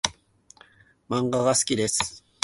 漫画が好きです。